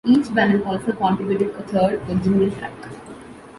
Each band also contributed a third, original track.